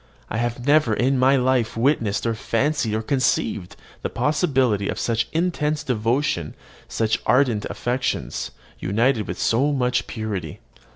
I have never in my life witnessed or fancied or conceived the possibility of such intense devotion, such ardent affections, united with so much purity.